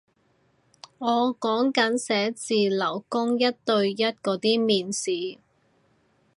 我講緊寫字樓工一對一嗰啲面試